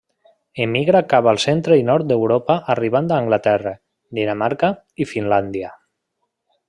Emigra cap al centre i nord d'Europa arribant a Anglaterra, Dinamarca i Finlàndia.